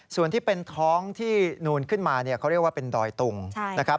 ส่วนที่เป็นท้องที่นูนขึ้นมาเนี่ยเขาเรียกว่าเป็นดอยตุงนะครับ